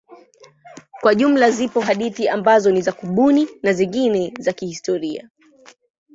Kwa jumla zipo hadithi ambazo ni za kubuni na zingine za kihistoria.